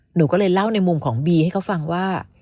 หนูก็เลยเล่าในมุมของบีให้เขาฟังว่า